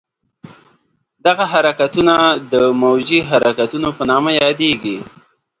دغه حرکتونه د موجي حرکتونو په نامه یادېږي.